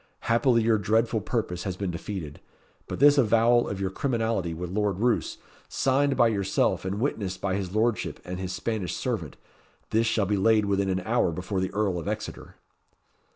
Happily your dreadful purpose has been defeated; but this avowal of your criminality with Lord Roos, signed by yourself and witnessed by his lordship and his Spanish servant, this shall be laid within an hour before the Earl of Exeter."